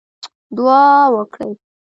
دعا وکړئ